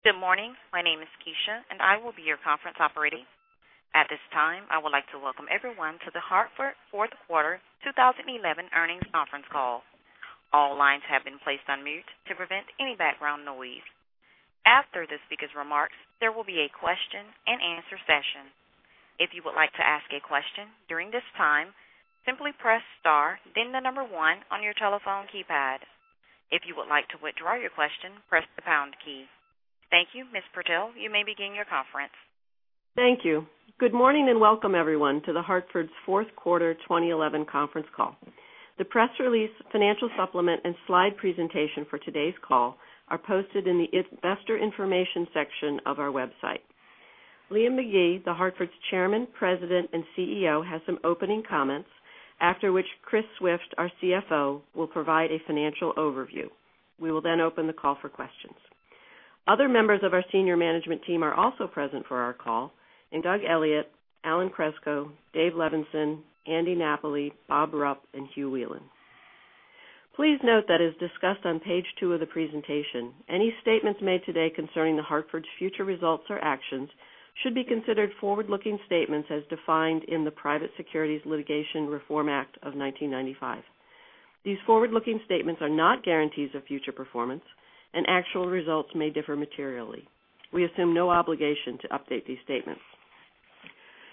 Good morning. My name is Keisha, and I will be your conference operator. At this time, I would like to welcome everyone to The Hartford fourth quarter 2011 earnings conference call. All lines have been placed on mute to prevent any background noise. After the speaker's remarks, there will be a question and answer session. If you would like to ask a question during this time, simply press star then the number one on your telephone keypad. If you would like to withdraw your question, press the pound key. Thank you. Ms. Purtill, you may begin your conference. Thank you. Good morning and welcome everyone to The Hartford's fourth quarter 2011 conference call. The press release, financial supplement, and slide presentation for today's call are posted in the investor information section of our website. Liam McGee, The Hartford's chairman, president, and CEO, has some opening comments, after which Chris Swift, our CFO, will provide a financial overview. We will then open the call for questions. Other members of our senior management team are also present for our call, in Doug Elliot, Alan Kreczko, David Levenson, Andy, Bob Rupp, and Hugh Whelan. Please note that as discussed on page two of the presentation, any statements made today concerning The Hartford's future results or actions should be considered forward-looking statements as defined in the Private Securities Litigation Reform Act of 1995. These forward-looking statements are not guarantees of future performance, and actual results may differ materially. We assume no obligation to update these statements.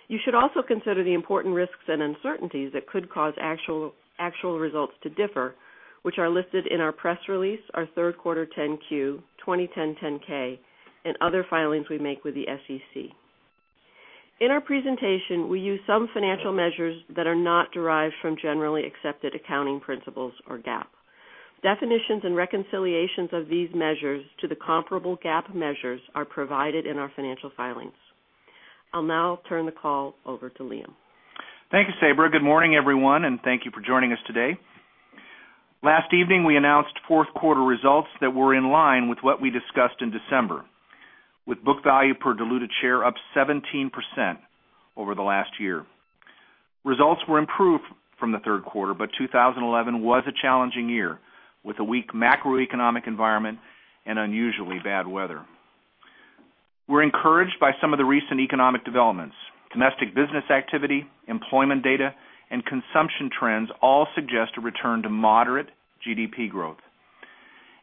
You should also consider the important risks and uncertainties that could cause actual results to differ, which are listed in our press release, our third quarter 10-Q, 2010 10-K, and other filings we make with the SEC. In our presentation, we use some financial measures that are not derived from generally accepted accounting principles or GAAP. Definitions and reconciliations of these measures to the comparable GAAP measures are provided in our financial filings. I'll now turn the call over to Liam. Thank you, Sabra. Good morning, everyone, and thank you for joining us today. Last evening, we announced fourth quarter results that were in line with what we discussed in December, with book value per diluted share up 17% over the last year. Results were improved from the third quarter, but 2011 was a challenging year, with a weak macroeconomic environment and unusually bad weather. We're encouraged by some of the recent economic developments. Domestic business activity, employment data, and consumption trends all suggest a return to moderate GDP growth.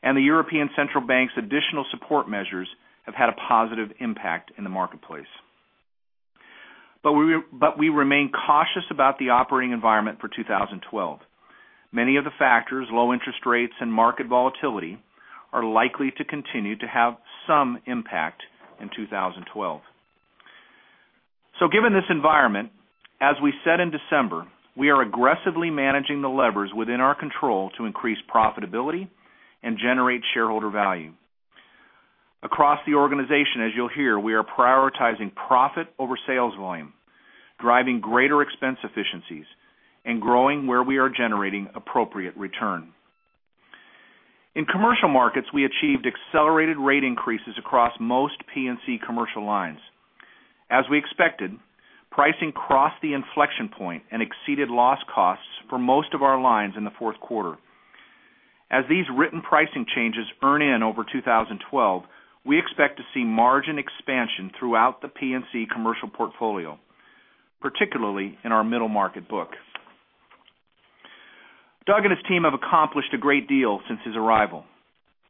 The European Central Bank's additional support measures have had a positive impact in the marketplace. We remain cautious about the operating environment for 2012. Many of the factors, low interest rates and market volatility, are likely to continue to have some impact in 2012. Given this environment, as we said in December, we are aggressively managing the levers within our control to increase profitability and generate shareholder value. Across the organization, as you will hear, we are prioritizing profit over sales volume, driving greater expense efficiencies, and growing where we are generating appropriate return. In Commercial Markets, we achieved accelerated rate increases across most P&C Commercial lines. As we expected, pricing crossed the inflection point and exceeded loss costs for most of our lines in the fourth quarter. As these written pricing changes earn in over 2012, we expect to see margin expansion throughout the P&C Commercial portfolio, particularly in our middle market book. Doug and his team have accomplished a great deal since his arrival.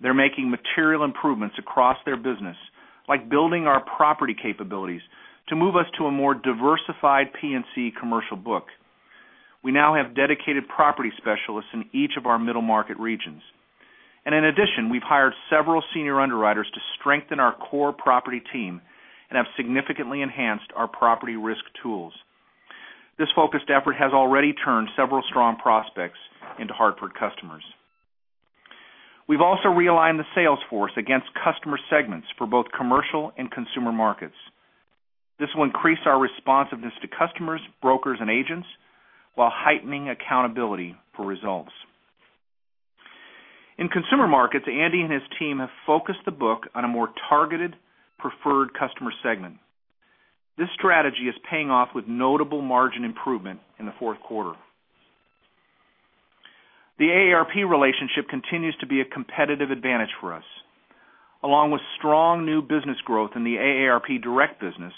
They're making material improvements across their business, like building our property capabilities to move us to a more diversified P&C Commercial book. We now have dedicated property specialists in each of our middle market regions. In addition, we've hired several senior underwriters to strengthen our core property team and have significantly enhanced our property risk tools. This focused effort has already turned several strong prospects into The Hartford customers. We've also realigned the sales force against customer segments for both Commercial and Consumer Markets. This will increase our responsiveness to customers, brokers, and agents while heightening accountability for results. In Consumer Markets, Andy and his team have focused the book on a more targeted preferred customer segment. This strategy is paying off with notable margin improvement in the fourth quarter. The AARP relationship continues to be a competitive advantage for us. Along with strong new business growth in the AARP direct business,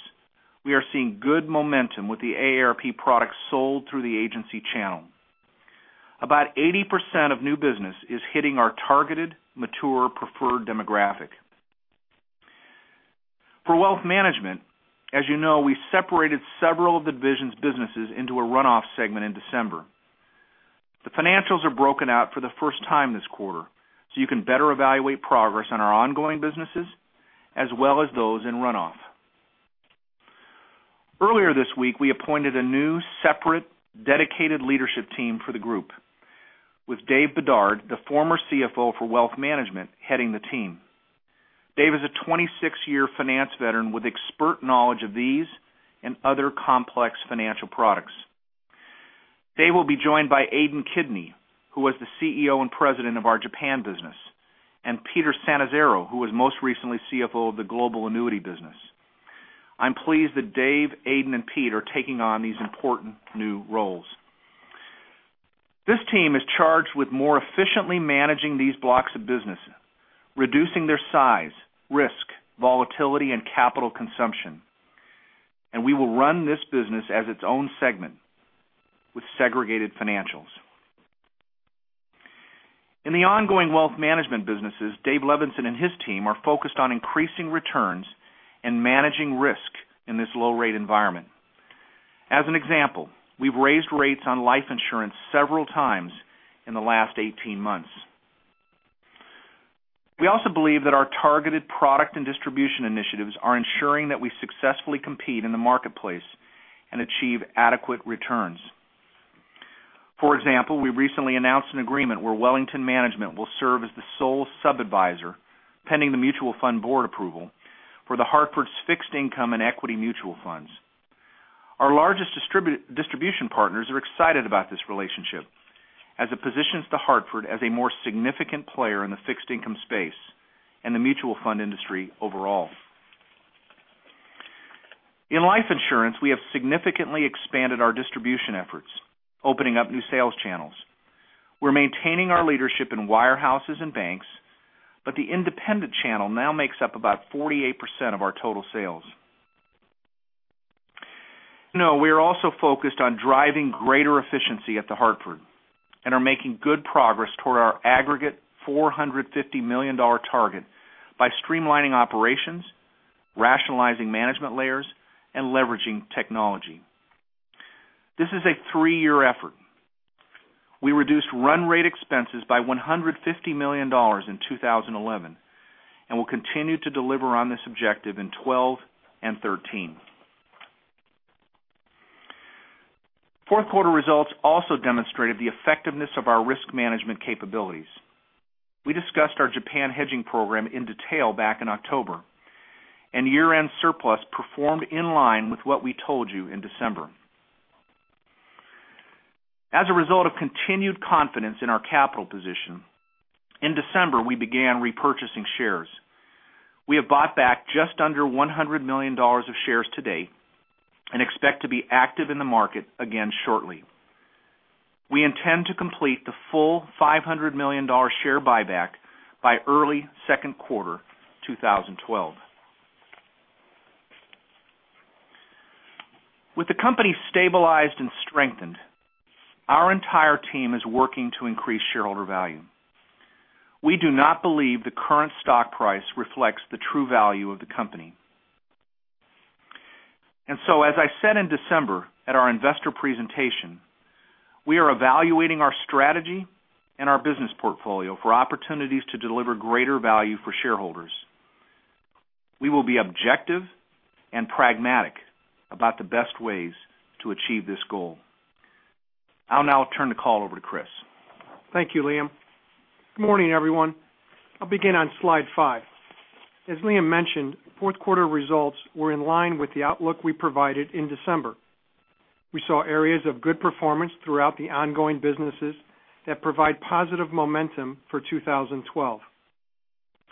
we are seeing good momentum with the AARP products sold through the agency channel. About 80% of new business is hitting our targeted mature preferred demographic. For Wealth Management, as you know, we separated several of the division's businesses into a runoff segment in December. The financials are broken out for the first time this quarter, so you can better evaluate progress on our ongoing businesses as well as those in runoff. Earlier this week, we appointed a new, separate, dedicated leadership team for the group, with David Bedard, the former CFO for Wealth Management, heading the team. Dave is a 26-year finance veteran with expert knowledge of these and other complex financial products. Dave will be joined by Aidan Kidney, who was the CEO and President of Japan business, and Peter Sannizzaro, who was most recently CFO of the Global Annuity business. I'm pleased that Dave, Aidan, and Pete are taking on these important new roles. This team is charged with more efficiently managing these blocks of business, reducing their size, risk, volatility, and capital consumption. We will run this business as its own segment with segregated financials. In the ongoing Wealth Management businesses, David Levenson and his team are focused on increasing returns and managing risk in this low rate environment. As an example, we've raised rates on life insurance several times in the last 18 months. We also believe that our targeted product and distribution initiatives are ensuring that we successfully compete in the marketplace and achieve adequate returns. For example, we recently announced an agreement where Wellington Management will serve as the sole sub-adviser, pending the mutual fund board approval, for The Hartford's fixed income and equity mutual funds. Our largest distribution partners are excited about this relationship, as it positions The Hartford as a more significant player in the fixed income space and the mutual fund industry overall. In life insurance, we have significantly expanded our distribution efforts, opening up new sales channels. We're maintaining our leadership in wirehouses and banks, but the independent channel now makes up about 48% of our total sales. As you know, we are also focused on driving greater efficiency at The Hartford and are making good progress toward our aggregate $450 million target by streamlining operations, rationalizing management layers, and leveraging technology. This is a three-year effort. We reduced run rate expenses by $150 million in 2011 and will continue to deliver on this objective in 2012 and 2013. Fourth quarter results also demonstrated the effectiveness of our risk management capabilities. We discussed our Japan hedging program in detail back in October. Year-end surplus performed in line with what we told you in December. As a result of continued confidence in our capital position, in December, we began repurchasing shares. We have bought back just under $100 million of shares to date and expect to be active in the market again shortly. We intend to complete the full $500 million share buyback by early second quarter 2012. With the company stabilized and strengthened, our entire team is working to increase shareholder value. We do not believe the current stock price reflects the true value of the company. As I said in December at our investor presentation, we are evaluating our strategy and our business portfolio for opportunities to deliver greater value for shareholders. We will be objective and pragmatic about the best ways to achieve this goal. I'll now turn the call over to Chris. Thank you, Liam. Good morning, everyone. I'll begin on slide five. As Liam mentioned, fourth quarter results were in line with the outlook we provided in December. We saw areas of good performance throughout the ongoing businesses that provide positive momentum for 2012.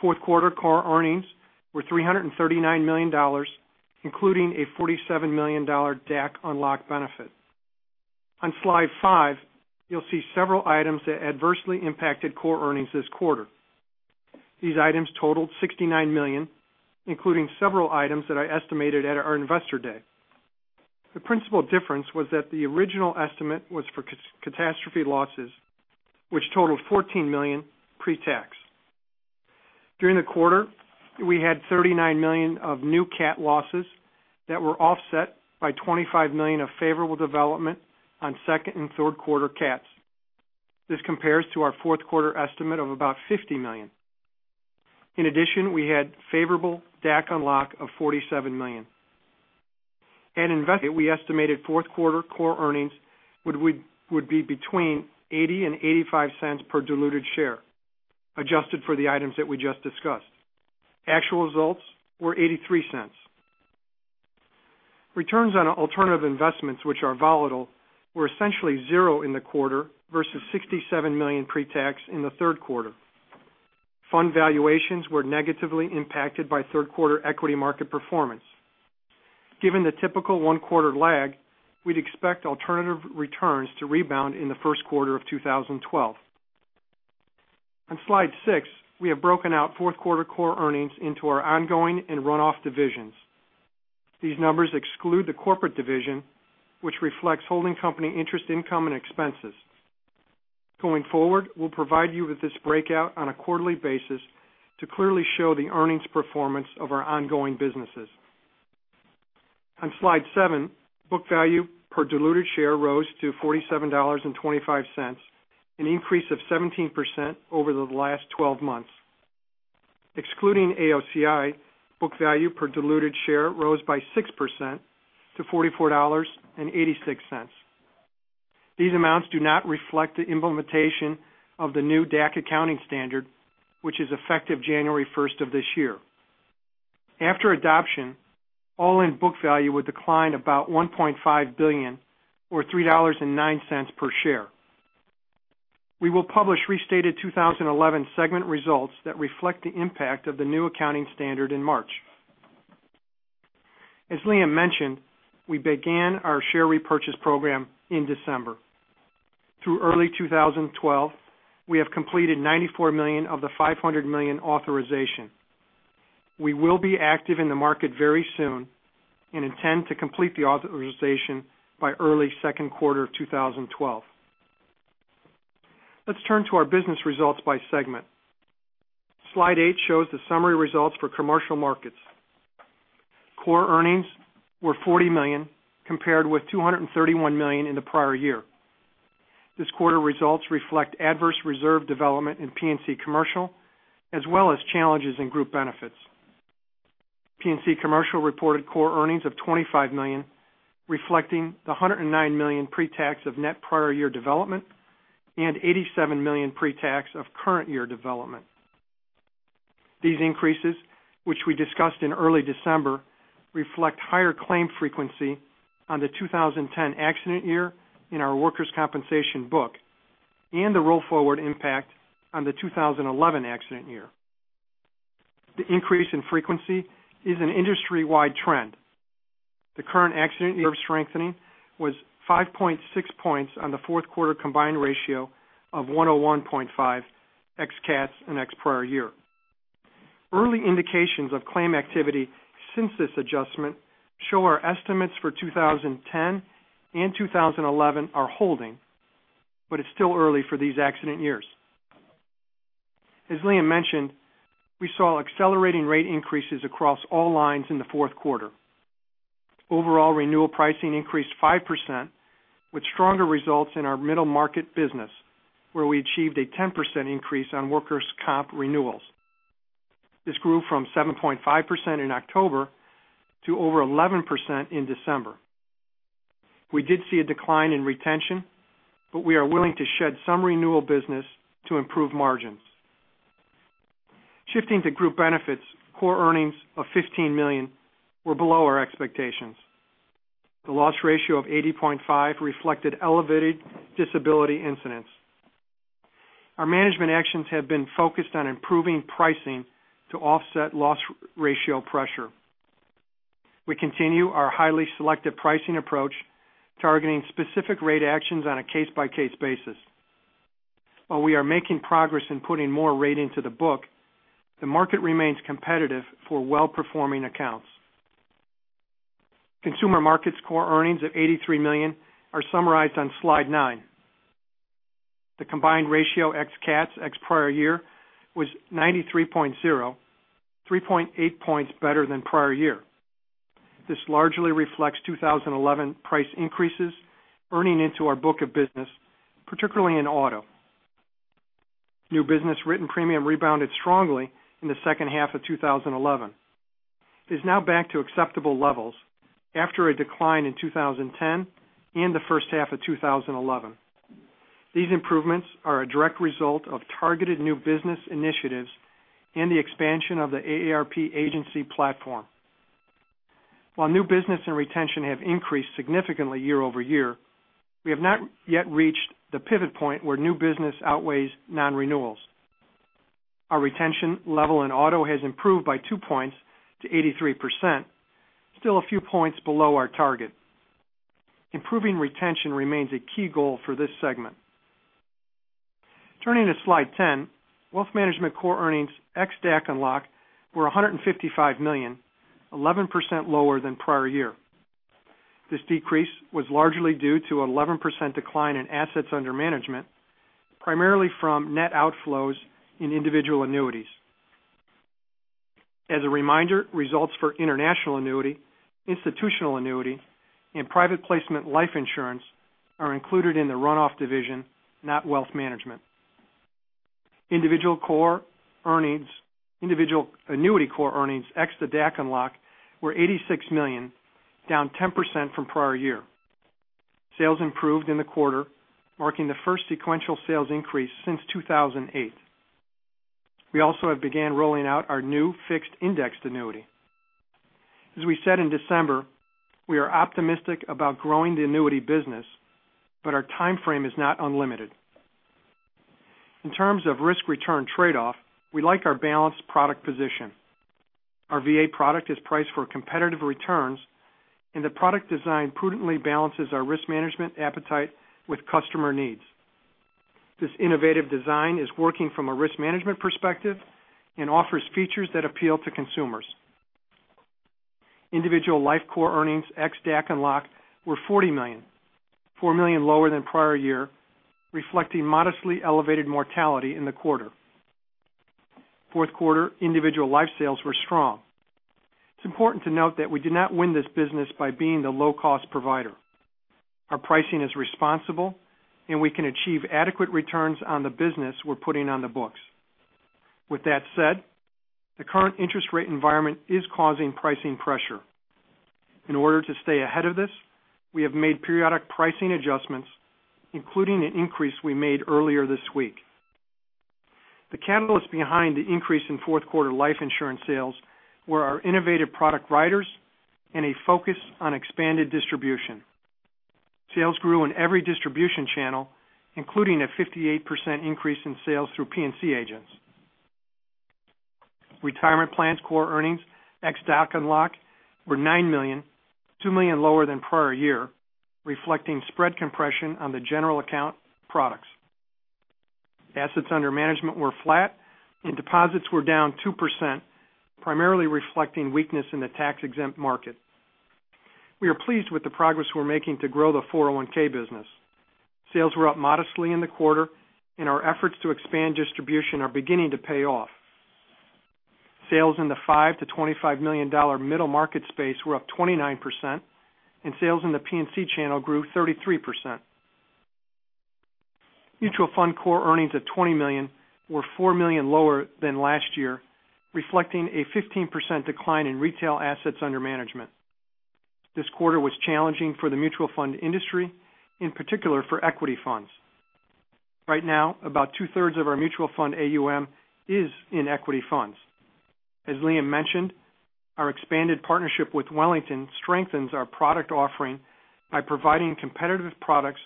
Fourth quarter core earnings were $339 million, including a $47 million DAC unlock benefit. On slide five, you'll see several items that adversely impacted core earnings this quarter. These items totaled $69 million, including several items that I estimated at our Investor Day. The principal difference was that the original estimate was for catastrophe losses, which totaled $14 million pre-tax. During the quarter, we had $39 million of new cat losses that were offset by $25 million of favorable development on second and third quarter cats. This compares to our fourth quarter estimate of about $50 million. In addition, we had favorable DAC unlock of $47 million. We estimated fourth quarter core earnings would be between $0.80 and $0.85 per diluted share, adjusted for the items that we just discussed. Actual results were $0.83. Returns on alternative investments, which are volatile, were essentially zero in the quarter versus $67 million pre-tax in the third quarter. Fund valuations were negatively impacted by third quarter equity market performance. Given the typical one-quarter lag, we'd expect alternative returns to rebound in the first quarter of 2012. On slide six, we have broken out fourth quarter core earnings into our ongoing and run-off divisions. These numbers exclude the corporate division, which reflects holding company interest, income, and expenses. Going forward, we'll provide you with this breakout on a quarterly basis to clearly show the earnings performance of our ongoing businesses. On slide seven, book value per diluted share rose to $47.25, an increase of 17% over the last 12 months. Excluding AOCI, book value per diluted share rose by 6% to $44.86. These amounts do not reflect the implementation of the new DAC accounting standard, which is effective January first of this year. After adoption, all-in book value would decline about $1.5 billion, or $3.09 per share. We will publish restated 2011 segment results that reflect the impact of the new accounting standard in March. As Liam mentioned, we began our share repurchase program in December. Through early 2012, we have completed $94 million of the $500 million authorization. We will be active in the market very soon and intend to complete the authorization by early second quarter of 2012. Let's turn to our business results by segment. Slide eight shows the summary results for Commercial Markets. Core earnings were $40 million compared with $231 million in the prior year. This quarter results reflect adverse reserve development in P&C Commercial, as well as challenges in Group Benefits. P&C Commercial reported core earnings of $25 million, reflecting the $109 million pre-tax of net prior year development and $87 million pre-tax of current year development. These increases, which we discussed in early December, reflect higher claim frequency on the 2010 accident year in our workers' compensation book and the roll forward impact on the 2011 accident year. The increase in frequency is an industry-wide trend. The current accident year of strengthening was 5.6 points on the fourth quarter combined ratio of 101.5 ex cats and ex prior year. Early indications of claim activity since this adjustment show our estimates for 2010 and 2011 are holding, but it's still early for these accident years. As Liam mentioned, we saw accelerating rate increases across all lines in the fourth quarter. Overall renewal pricing increased 5%, with stronger results in our middle market business, where we achieved a 10% increase on workers' comp renewals. This grew from 7.5% in October to over 11% in December. We did see a decline in retention, but we are willing to shed some renewal business to improve margins. Shifting to Group Benefits, core earnings of $15 million were below our expectations. The loss ratio of 80.5 reflected elevated disability incidents. Our management actions have been focused on improving pricing to offset loss ratio pressure. We continue our highly selective pricing approach, targeting specific rate actions on a case-by-case basis. While we are making progress in putting more rate into the book, the market remains competitive for well-performing accounts. Consumer Markets core earnings of $83 million are summarized on slide nine. The combined ratio ex cats, ex prior year was 93.0, 3.8 points better than prior year. This largely reflects 2011 price increases earning into our book of business, particularly in auto. New business written premium rebounded strongly in the second half of 2011, is now back to acceptable levels after a decline in 2010 and the first half of 2011. These improvements are a direct result of targeted new business initiatives and the expansion of the AARP agency platform. While new business and retention have increased significantly year-over-year, we have not yet reached the pivot point where new business outweighs non-renewals. Our retention level in auto has improved by two points to 83%, still a few points below our target. Improving retention remains a key goal for this segment. Turning to slide 10, wealth management core earnings, ex DAC and LOC, were $155 million, 11% lower than prior year. This decrease was largely due to an 11% decline in assets under management, primarily from net outflows in individual annuities. As a reminder, results for international annuity, institutional annuity, and private placement life insurance are included in the run-off division, not wealth management. Individual annuity core earnings, ex the DAC and LOC, were $86 million, down 10% from prior year. Sales improved in the quarter, marking the first sequential sales increase since 2008. We also have began rolling out our new Fixed Indexed Annuity. As we said in December, we are optimistic about growing the annuity business, but our time frame is not unlimited. In terms of risk-return trade-off, we like our balanced product position. Our VA product is priced for competitive returns, and the product design prudently balances our risk-management appetite with customer needs. This innovative design is working from a risk-management perspective and offers features that appeal to consumers. Individual life core earnings, ex DAC and LOC, were $40 million, $4 million lower than prior year, reflecting modestly elevated mortality in the quarter. Fourth quarter individual life sales were strong. It's important to note that we did not win this business by being the low-cost provider. Our pricing is responsible, and we can achieve adequate returns on the business we're putting on the books. With that said, the current interest rate environment is causing pricing pressure. In order to stay ahead of this, we have made periodic pricing adjustments, including an increase we made earlier this week. The catalyst behind the increase in fourth quarter life insurance sales were our innovative product riders and a focus on expanded distribution. Sales grew in every distribution channel, including a 58% increase in sales through P&C agents. Retirement plans core earnings, ex DAC and LOC, were $9 million, $2 million lower than prior year, reflecting spread compression on the general account products. Assets under management were flat, and deposits were down 2%, primarily reflecting weakness in the tax-exempt market. We are pleased with the progress we're making to grow the 401 business. Sales were up modestly in the quarter, and our efforts to expand distribution are beginning to pay off. Sales in the five to $25 million middle market space were up 29%, and sales in the P&C channel grew 33%. Mutual fund core earnings of $20 million were $4 million lower than last year, reflecting a 15% decline in retail assets under management. This quarter was challenging for the mutual fund industry, in particular for equity funds. Right now, about two-thirds of our mutual fund AUM is in equity funds. As Liam mentioned, our expanded partnership with Wellington strengthens our product offering by providing competitive products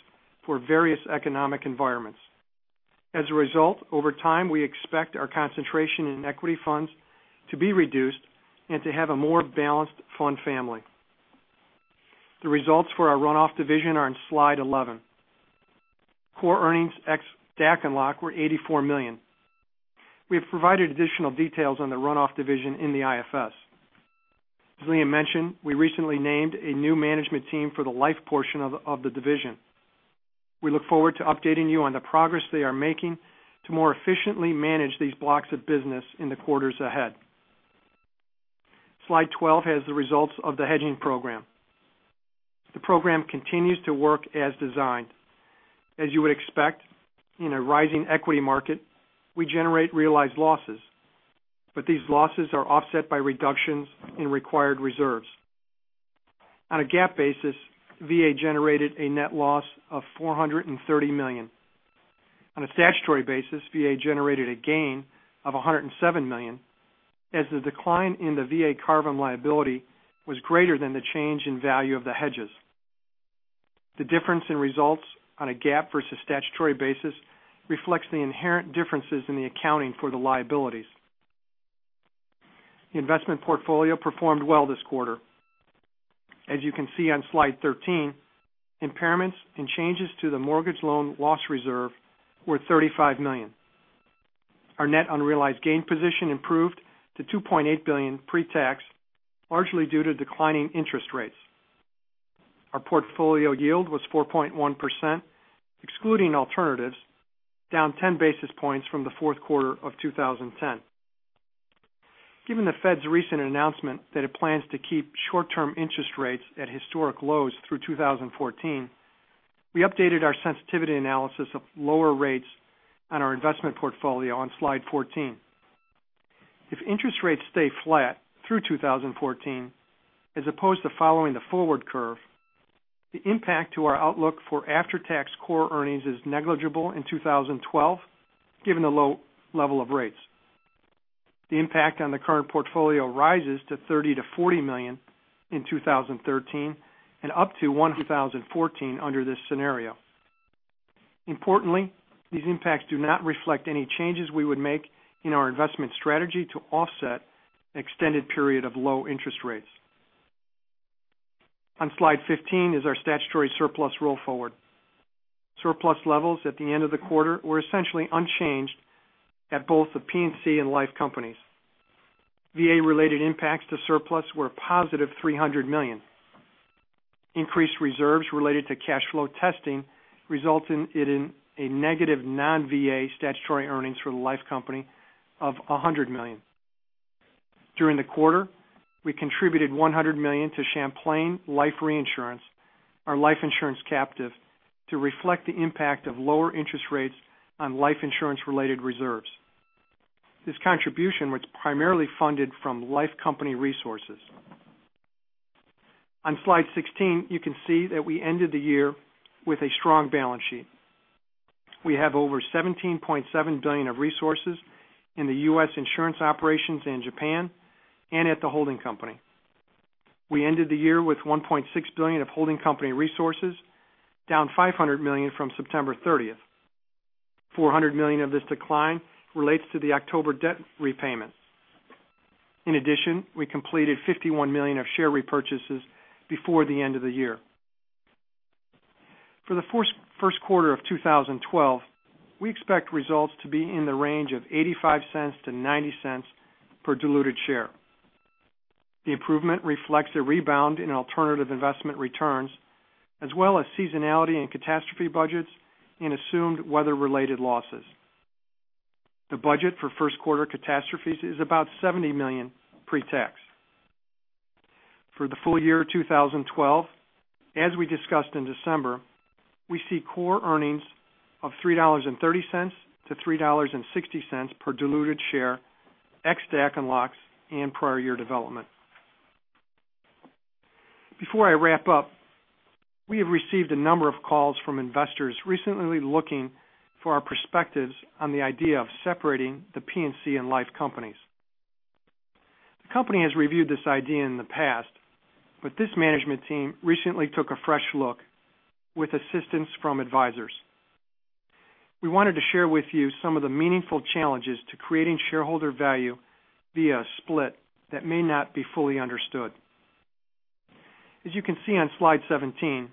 for various economic environments. As a result, over time, we expect our concentration in equity funds to be reduced and to have a more balanced fund family. The results for our runoff division are on slide 11. Core earnings ex-DAC and LOC were $84 million. We have provided additional details on the runoff division in the IFS. As Liam mentioned, we recently named a new management team for the life portion of the division. We look forward to updating you on the progress they are making to more efficiently manage these blocks of business in the quarters ahead. Slide 12 has the results of the hedging program. The program continues to work as designed. These losses are offset by reductions in required reserves. On a GAAP basis, VA generated a net loss of $430 million. On a statutory basis, VA generated a gain of $107 million, as the decline in the VA CARVM liability was greater than the change in value of the hedges. The difference in results on a GAAP versus statutory basis reflects the inherent differences in the accounting for the liabilities. The investment portfolio performed well this quarter. As you can see on slide 13, impairments and changes to the mortgage loan loss reserve were $35 million. Our net unrealized gain position improved to $2.8 billion pre-tax, largely due to declining interest rates. Our portfolio yield was 4.1%, excluding alternatives, down 10 basis points from the fourth quarter of 2010. Given the Fed's recent announcement that it plans to keep short-term interest rates at historic lows through 2014, we updated our sensitivity analysis of lower rates on our investment portfolio on slide 14. If interest rates stay flat through 2014 as opposed to following the forward curve, the impact to our outlook for after-tax core earnings is negligible in 2012, given the low level of rates. The impact on the current portfolio rises to $30 million-$40 million in 2013 and up to and up to $100 million in 2014 under this scenario. Importantly, these impacts do not reflect any changes we would make in our investment strategy to offset an extended period of low interest rates. On slide 15 is our statutory surplus roll forward. Surplus levels at the end of the quarter were essentially unchanged at both the P&C and life companies. VA-related impacts to surplus were a positive $300 million. Increased reserves related to cash flow testing resulted in a negative non-VA statutory earnings for the life company of $100 million. During the quarter, we contributed $100 million to Champlain Life Reinsurance, our life insurance captive, to reflect the impact of lower interest rates on life insurance-related reserves. This contribution was primarily funded from life company resources. On slide 16, you can see that we ended the year with a strong balance sheet. We have over $17.7 billion of resources in the U.S. insurance operations in Japan and at the holding company. We ended the year with $1.6 billion of holding company resources, down $500 million from September 30th. Four hundred million of this decline relates to the October debt repayment. In addition, we completed $51 million of share repurchases before the end of the year. For the first quarter of 2012, we expect results to be in the range of $0.85-$0.90 per diluted share. The improvement reflects a rebound in alternative investment returns, as well as seasonality in catastrophe budgets and assumed weather-related losses. The budget for first quarter catastrophes is about $70 million pre-tax. For the full year 2012, as we discussed in December, we see core earnings of $3.30-$3.60 per diluted share, ex-DAC and LOCs and prior year development. Before I wrap up, we have received a number of calls from investors recently looking for our perspectives on the idea of separating the P&C and life companies. The company has reviewed this idea in the past, but this management team recently took a fresh look with assistance from advisors. We wanted to share with you some of the meaningful challenges to creating shareholder value via split that may not be fully understood. As you can see on slide 17,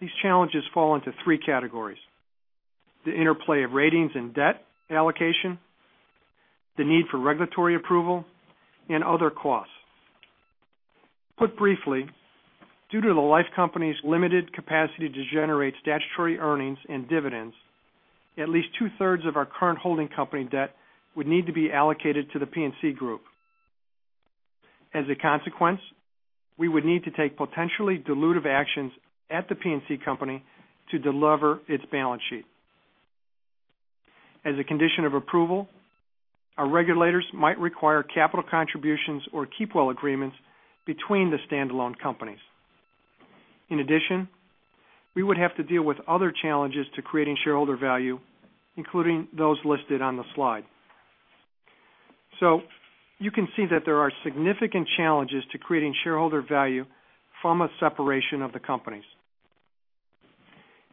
these challenges fall into three categories: the interplay of ratings and debt allocation, the need for regulatory approval, and other costs. Put briefly, due to the life company's limited capacity to generate statutory earnings and dividends, at least two-thirds of our current holding company debt would need to be allocated to the P&C group. As a consequence, we would need to take potentially dilutive actions at the P&C company to delever its balance sheet. As a condition of approval, our regulators might require capital contributions or keep-well agreements between the standalone companies. In addition, we would have to deal with other challenges to creating shareholder value, including those listed on the slide. You can see that there are significant challenges to creating shareholder value from a separation of the companies.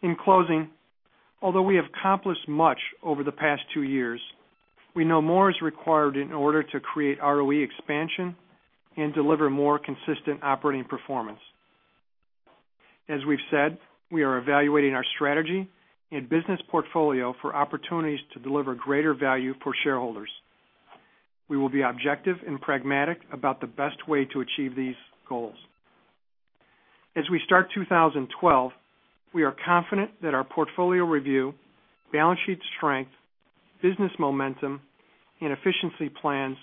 In closing, although we have accomplished much over the past two years, we know more is required in order to create ROE expansion and deliver more consistent operating performance. As we've said, we are evaluating our strategy and business portfolio for opportunities to deliver greater value for shareholders. We will be objective and pragmatic about the best way to achieve these goals. As we start 2012, we are confident that our portfolio review, balance sheet strength, business momentum, and efficiency plans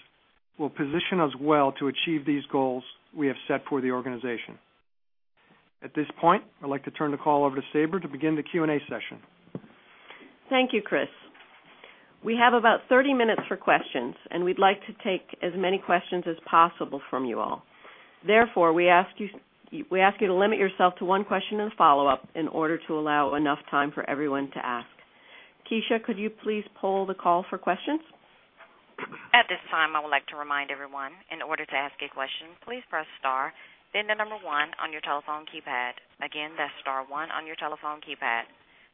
will position us well to achieve these goals we have set for the organization. At this point, I'd like to turn the call over to Sabra to begin the Q&A session. Thank you, Chris. We have about 30 minutes for questions, and we'd like to take as many questions as possible from you all. Therefore, we ask you to limit yourself to one question and a follow-up in order to allow enough time for everyone to ask. Keisha, could you please pull the call for questions? At this time, I would like to remind everyone, in order to ask a question, please press star, then the number one on your telephone keypad. Again, that's star one on your telephone keypad.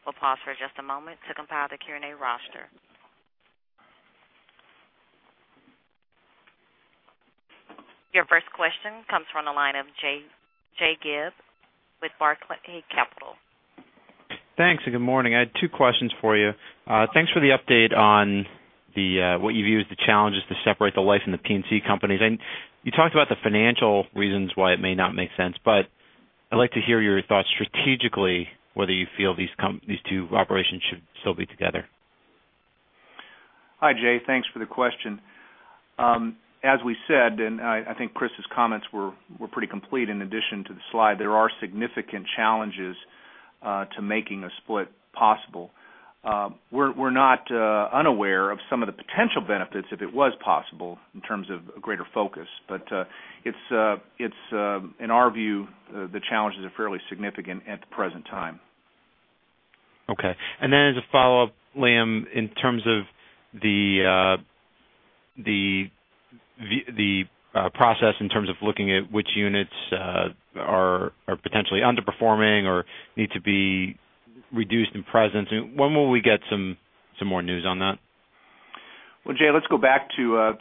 We'll pause for just a moment to compile the Q&A roster. Your first question comes from the line of Jay Gelb with Barclays Capital. Thanks, and good morning. I had two questions for you. Thanks for the update on what you view as the challenges to separate the life and the P&C companies. You talked about the financial reasons why it may not make sense, I'd like to hear your thoughts strategically whether you feel these two operations should still be together. Hi, Jay Gelb. Thanks for the question. As we said, and I think Chris's comments were pretty complete in addition to the slide, there are significant challenges to making a split possible. We're not unaware of some of the potential benefits if it was possible in terms of greater focus. In our view, the challenges are fairly significant at the present time. Okay. As a follow-up, Liam, in terms of the process in terms of looking at which units are potentially underperforming or need to be reduced in presence, when will we get some more news on that? Well, Jay,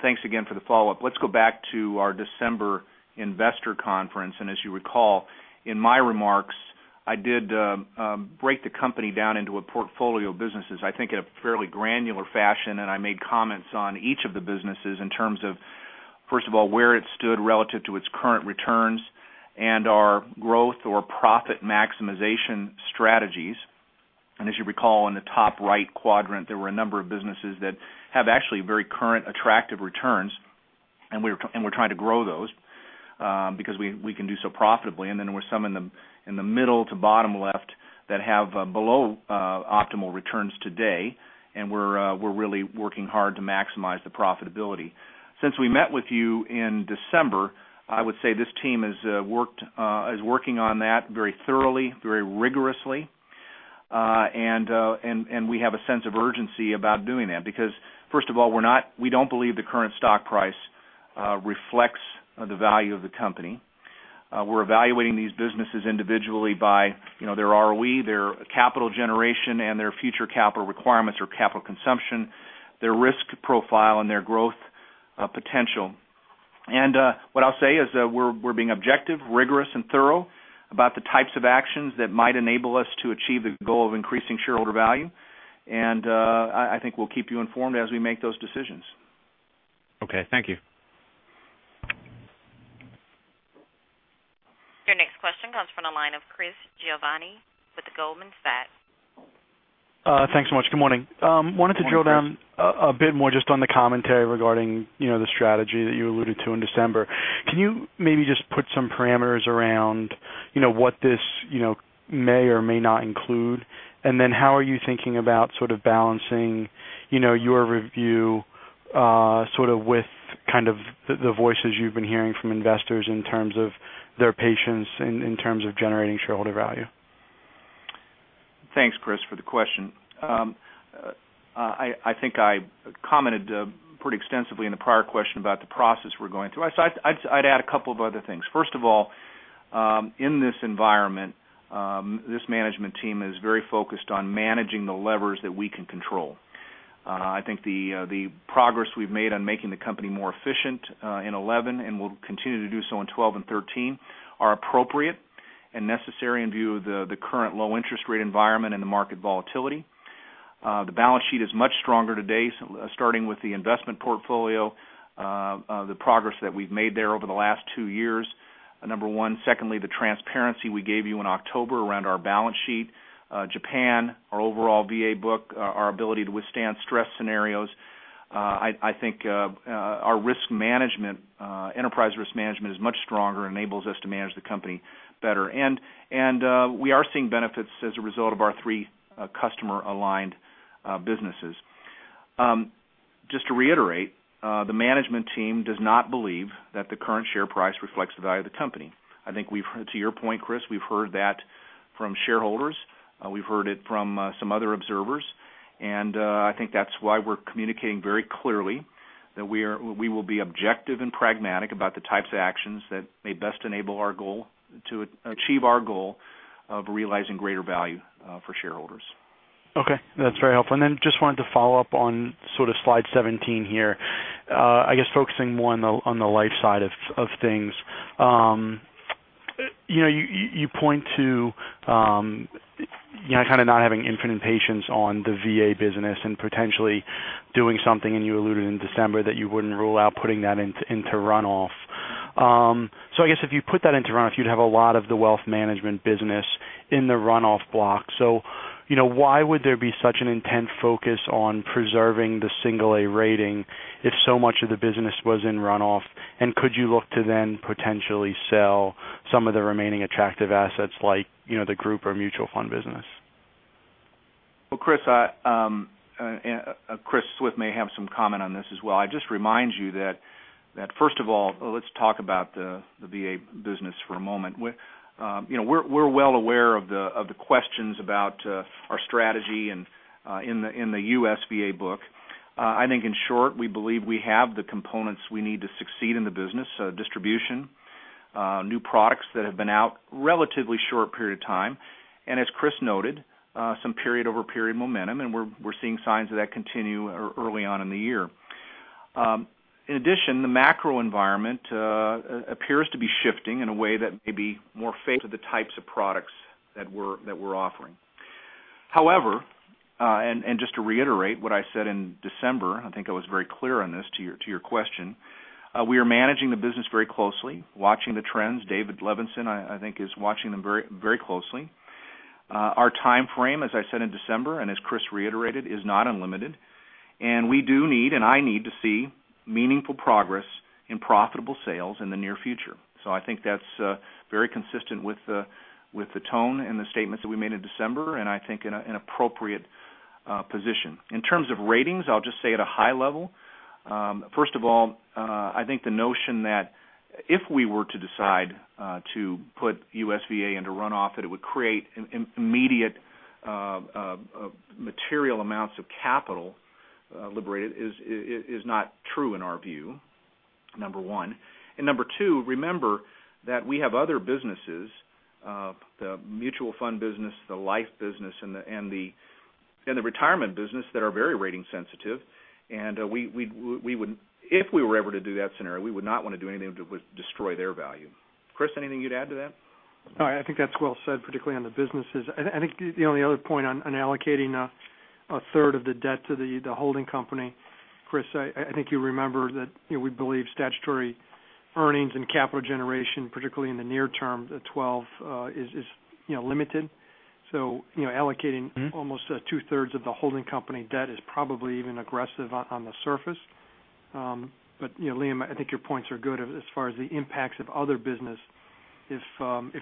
thanks again for the follow-up. Let's go back to our December investor conference. As you recall, in my remarks, I did break the company down into a portfolio of businesses, I think, in a fairly granular fashion. I made comments on each of the businesses in terms of, first of all, where it stood relative to its current returns and our growth or profit maximization strategies. As you recall, in the top right quadrant, there were a number of businesses that have actually very current attractive returns. We're trying to grow those because we can do so profitably. There were some in the middle to bottom left that have below optimal returns today. We're really working hard to maximize the profitability. Since we met with you in December, I would say this team is working on that very thoroughly, very rigorously. We have a sense of urgency about doing that because first of all, we don't believe the current stock price reflects the value of the company. We're evaluating these businesses individually by their ROE, their capital generation, their future capital requirements or capital consumption, their risk profile, and their growth potential. What I'll say is we're being objective, rigorous, and thorough about the types of actions that might enable us to achieve the goal of increasing shareholder value. I think we'll keep you informed as we make those decisions. Okay. Thank you. Your next question comes from the line of Chris Giovanni with Goldman Sachs. Thanks so much. Good morning. Morning, Chris. Wanted to drill down a bit more just on the commentary regarding the strategy that you alluded to in December. Can you maybe just put some parameters around what this may or may not include? How are you thinking about sort of balancing your review sort of with kind of the voices you've been hearing from investors in terms of their patience in terms of generating shareholder value? Thanks, Chris, for the question. I think I commented pretty extensively in the prior question about the process we're going through. I'd add a couple of other things. First of all, in this environment, this management team is very focused on managing the levers that we can control. I think the progress we've made on making the company more efficient in 2011, we'll continue to do so in 2012 and 2013, are appropriate and necessary in view of the current low interest rate environment and the market volatility. The balance sheet is much stronger today, starting with the investment portfolio, the progress that we've made there over the last two years, number one. Secondly, the transparency we gave you in October around our balance sheet. Japan, our overall VA book, our ability to withstand stress scenarios. I think our enterprise risk management is much stronger and enables us to manage the company better. We are seeing benefits as a result of our three customer-aligned businesses. Just to reiterate, the management team does not believe that the current share price reflects the value of the company. I think to your point, Chris, we've heard that from shareholders. We've heard it from some other observers, I think that's why we're communicating very clearly that we will be objective and pragmatic about the types of actions that may best enable to achieve our goal of realizing greater value for shareholders. Okay. That's very helpful. Just wanted to follow up on slide 17 here. I guess focusing more on the life side of things. You point to not having infinite patience on the VA business and potentially doing something. You alluded in December that you wouldn't rule out putting that into runoff. I guess if you put that into runoff, you'd have a lot of the wealth management business in the runoff block. Why would there be such an intense focus on preserving the single A rating if so much of the business was in runoff? Could you look to then potentially sell some of the remaining attractive assets like the group or mutual fund business? Well, Chris Swift may have some comment on this as well. I just remind you that first of all, let's talk about the VA business for a moment. We're well aware of the questions about our strategy in the U.S. VA book. I think in short, we believe we have the components we need to succeed in the business. Distribution, new products that have been out relatively short period of time. As Chris noted, some period-over-period momentum. We're seeing signs of that continue early on in the year. In addition, the macro environment appears to be shifting in a way that may be more favorable to the types of products that we're offering. However, just to reiterate what I said in December, I think I was very clear on this to your question. We are managing the business very closely, watching the trends. David Levenson, I think, is watching them very closely. Our timeframe, as I said in December, and as Chris reiterated, is not unlimited. We do need, and I need to see meaningful progress in profitable sales in the near future. I think that's very consistent with the tone and the statements that we made in December, and I think in appropriate position. In terms of ratings, I'll just say at a high level. First of all, I think the notion that if we were to decide to put U.S. VA into runoff, that it would create immediate material amounts of capital liberated is not true in our view, number one. Number two, remember that we have other businesses. The mutual fund business, the life business, and the retirement business that are very rating sensitive. If we were ever to do that scenario, we would not want to do anything to destroy their value. Chris, anything you'd add to that? I think that's well said, particularly on the businesses. I think the only other point on allocating a third of the debt to the holding company. Chris, I think you remember that we believe statutory earnings and capital generation, particularly in the near term, the 2012, is limited. Allocating almost two-thirds of the holding company debt is probably even aggressive on the surface. Liam, I think your points are good as far as the impacts of other business if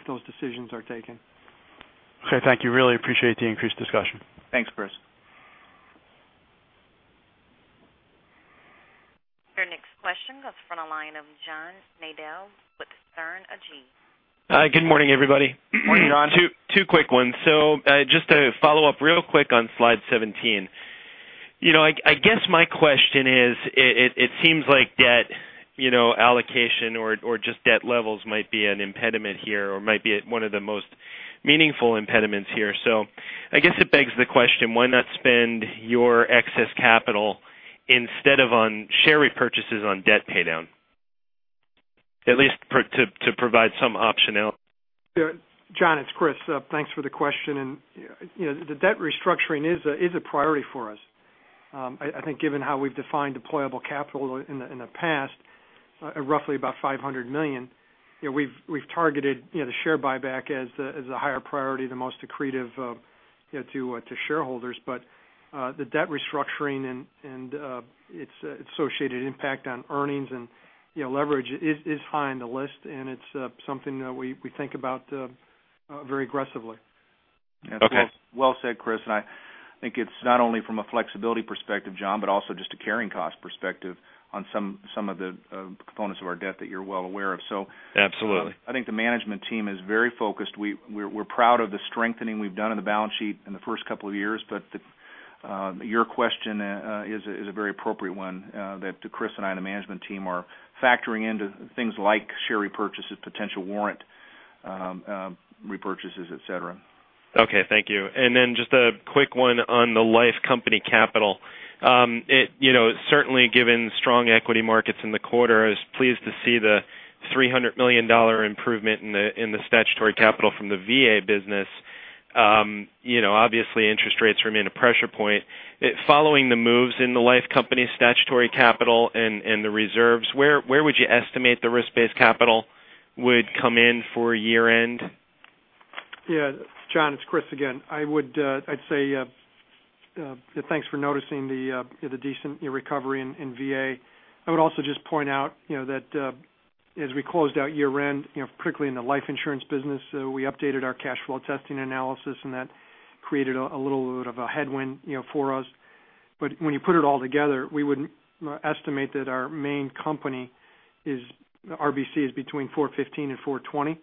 those decisions are taken. Okay. Thank you. Really appreciate the increased discussion. Thanks, Chris. Your next question comes from the line of John Nadel with Sterne Agee. Hi. Good morning, everybody. Morning, John. Two quick ones. Just to follow up real quick on slide seventeen. I guess my question is, it seems like debt allocation or just debt levels might be an impediment here or might be one of the most meaningful impediments here. I guess it begs the question, why not spend your excess capital instead of on share repurchases on debt paydown? At least to provide some optionality. John, it's Chris. Thanks for the question. The debt restructuring is a priority for us. I think given how we've defined deployable capital in the past, roughly about $500 million, we've targeted the share buyback as the higher priority, the most accretive to shareholders. The debt restructuring and its associated impact on earnings and leverage is high on the list, and it's something that we think about very aggressively. Okay. Well said, Chris. I think it's not only from a flexibility perspective, John, but also just a carrying cost perspective on some of the components of our debt that you're well aware of. Absolutely I think the management team is very focused. We're proud of the strengthening we've done in the balance sheet in the first couple of years. Your question is a very appropriate one that Chris and I, and the management team are factoring into things like share repurchases, potential warrant repurchases, et cetera. Okay. Thank you. Then just a quick one on the life company capital. Certainly given strong equity markets in the quarter, I was pleased to see the $300 million improvement in the statutory capital from the VA business. Obviously, interest rates remain a pressure point. Following the moves in the life company statutory capital and the reserves, where would you estimate the risk-based capital would come in for year-end? Yeah. John, it's Chris again. I'd say, thanks for noticing the decent recovery in VA. I would also just point out that as we closed out year-end, quickly in the life insurance business, we updated our cash flow testing analysis, and that created a little bit of a headwind for us. When you put it all together, we would estimate that our main company is the RBC is between 415 and 420.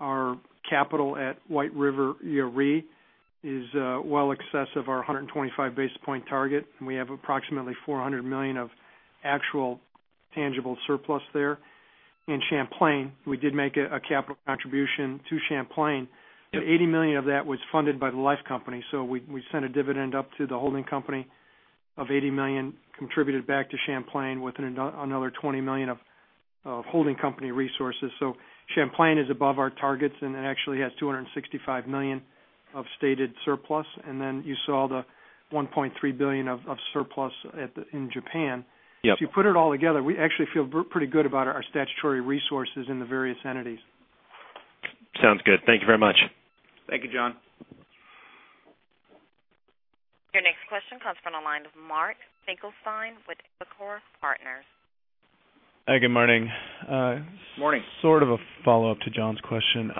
Our capital at White River Re is well excess of our 125-basis-point target, and we have approximately $400 million of actual tangible surplus there. In Champlain, we did make a capital contribution to Champlain. Yep. $80 million of that was funded by the life company. We sent a dividend up to the holding company of $80 million contributed back to Champlain with another $20 million of holding company resources. Champlain is above our targets, and it actually has $265 million of stated surplus. Then you saw the $1.3 billion of surplus in Japan. Yep. If you put it all together, we actually feel pretty good about our statutory resources in the various entities. Sounds good. Thank you very much. Thank you, John. Your next question comes from the line of Mark Finkelstein with Evercore Partners. Hi, good morning. Morning. Sort of a follow-up to John's question.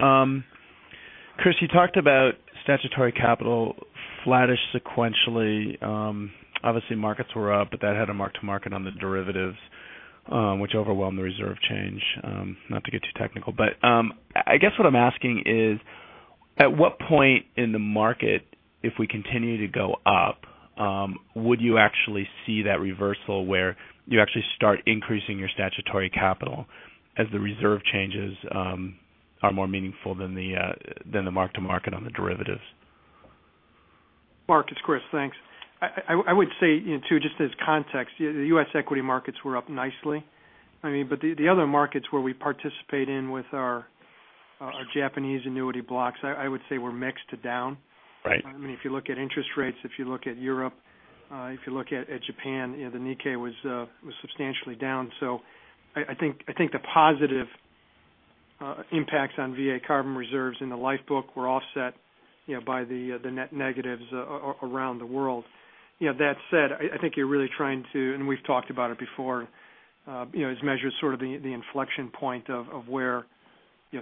Chris, you talked about statutory capital flattish sequentially. Obviously, markets were up, but that had a mark-to-market on the derivatives, which overwhelmed the reserve change. Not to get too technical, but I guess what I'm asking is, at what point in the market, if we continue to go up, would you actually see that reversal where you actually start increasing your statutory capital as the reserve changes are more meaningful than the mark-to-market on the derivatives? Mark, it's Chris. Thanks. I would say, too, just as context, the U.S. equity markets were up nicely. The other markets where we participate in with our Japanese annuity blocks, I would say were mixed to down. Right. If you look at interest rates, if you look at Europe, if you look at Japan, the Nikkei was substantially down. I think the positive impacts on VA CARVM reserves in the life book were offset by the net negatives around the world. That said, I think you're really trying to, and we've talked about it before, as measures sort of the inflection point of where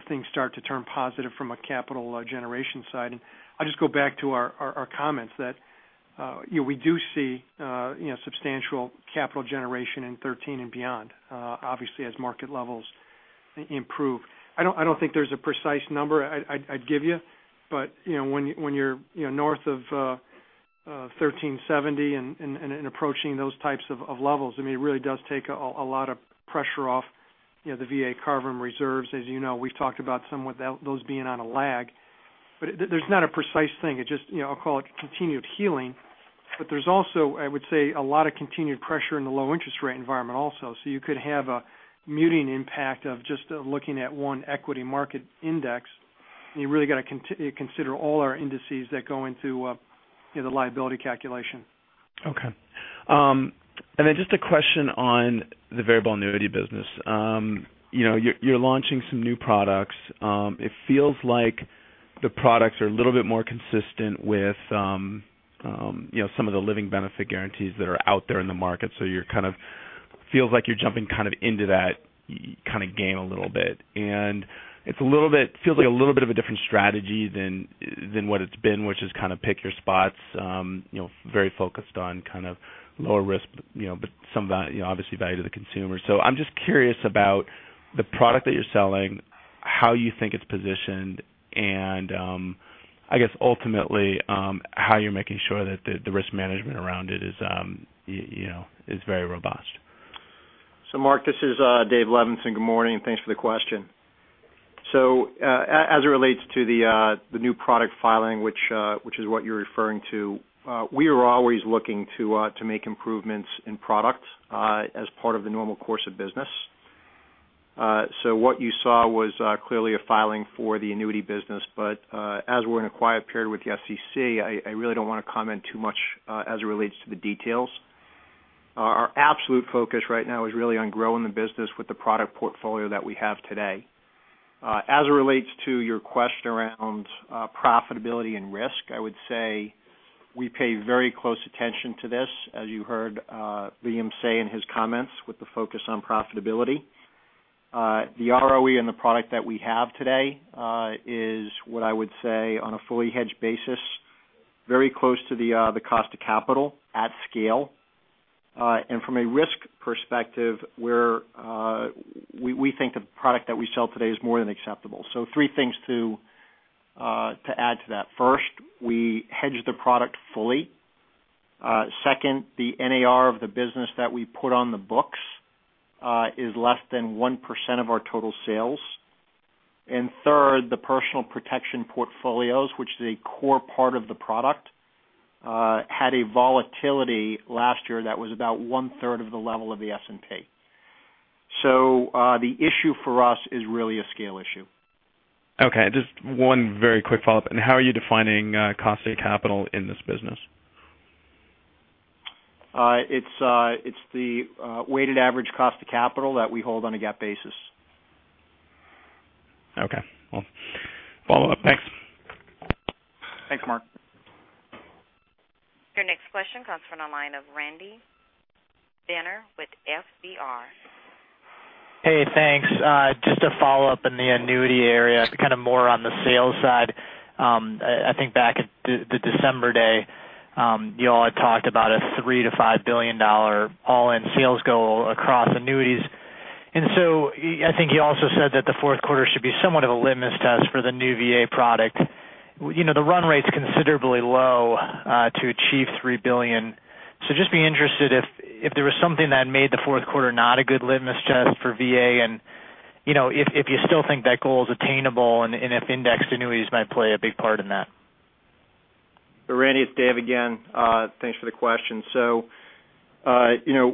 things start to turn positive from a capital generation side. I'll just go back to our comments that we do see substantial capital generation in 2013 and beyond, obviously, as market levels improve. I don't think there's a precise number I'd give you, but when you're north of 13.70 and approaching those types of levels, it really does take a lot of pressure off the VA CARVM reserves. As you know, we've talked about somewhat those being on a lag. There's not a precise thing. I'll call it continued healing. There's also, I would say, a lot of continued pressure in the low interest rate environment also. You could have a muting impact of just looking at one equity market index, and you really got to consider all our indices that go into the liability calculation. Okay. Just a question on the variable annuity business. You're launching some new products. It feels like the products are a little bit more consistent with some of the living benefit guarantees that are out there in the market. It feels like you're jumping into that kind of game a little bit. It feels like a little bit of a different strategy than what it's been, which is kind of pick your spots, very focused on lower risk, but obviously value to the consumer. I'm just curious about the product that you're selling, how you think it's positioned, and I guess ultimately, how you're making sure that the risk management around it is very robust. Mark, this is David Levenson. Good morning, and thanks for the question. As it relates to the new product filing, which is what you're referring to, we are always looking to make improvements in product as part of the normal course of business. What you saw was clearly a filing for the annuity business, but as we're in a quiet period with the SEC, I really don't want to comment too much as it relates to the details. Our absolute focus right now is really on growing the business with the product portfolio that we have today. As it relates to your question around profitability and risk, I would say we pay very close attention to this, as you heard Liam say in his comments with the focus on profitability. The ROE and the product that we have today is what I would say on a fully hedged basis, very close to the cost of capital at scale. From a risk perspective, we think the product that we sell today is more than acceptable. Three things to add to that. First, we hedge the product fully. Second, the NAR of the business that we put on the books is less than 1% of our total sales. Third, the Personal Protection Portfolio, which is a core part of the product, had a volatility last year that was about one-third of the level of the S&P. The issue for us is really a scale issue. Okay. Just one very quick follow-up. How are you defining cost of capital in this business? It's the weighted average cost of capital that we hold on a GAAP basis. Okay. Well, follow up next. Thanks, Mark. Your next question comes from the line of Randy Binner with FBR. Hey, thanks. Just a follow-up in the annuity area, kind of more on the sales side. I think back at the December day, you all had talked about a $3 billion-$5 billion all-in sales goal across annuities. I think you also said that the fourth quarter should be somewhat of a litmus test for the new VA product. The run rate's considerably low to achieve $3 billion. Just be interested if there was something that made the fourth quarter not a good litmus test for VA, and if you still think that goal is attainable and if indexed annuities might play a big part in that. Randy, it's Dave again. Thanks for the question.